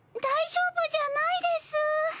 大丈夫じゃないです。